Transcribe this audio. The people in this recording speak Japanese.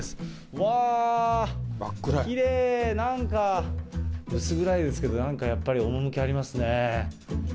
わーっ、きれい、なんか薄暗いですけど、なんかやっぱり趣ありますね。